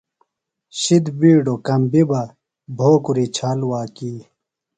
شِدہ بِیڈوۡ کمبیۡ بہ، بھوکُری چھال واکی